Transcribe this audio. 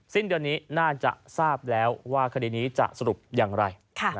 สิ้นเดือนนี้น่าจะทราบแล้วว่าคดีนี้จะสรุปอย่างไร